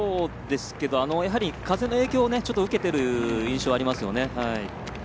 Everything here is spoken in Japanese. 風の影響を受けている印象がありますね。